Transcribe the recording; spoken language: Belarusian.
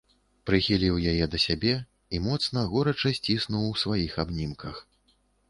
Прыхіліў яе да сябе і моцна, горача сціснуў у сваіх абнімках.